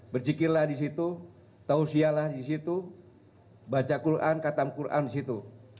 berjikirlah di situ tausialah di situ baca quran katam quran di situ